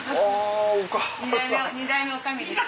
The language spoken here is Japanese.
２代目女将です。